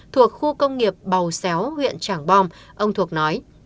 thuộc khu công nghiệp bầu xéo huyện trảng bom ông thuộc nói